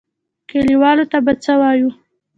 کليوالو ته به څه وايو.